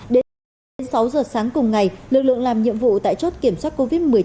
đến sáu giờ sáng cùng ngày lực lượng làm nhiệm vụ tại chốt kiểm soát covid một mươi chín